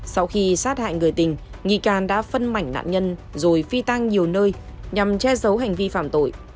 sau khi sát hại người tình nghi can đã phân mảnh nạn nhân rồi phi tang nhiều nơi nhằm che giấu hành vi phạm tội